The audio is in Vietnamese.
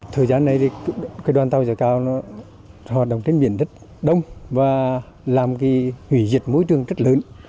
thời gian này đoàn tàu giả cao hoạt động trên biển rất đông và làm hủy diệt môi trường rất lớn